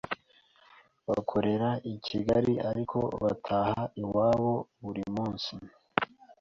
bakorera i Kigali ariko bataha iwabo buri munsi,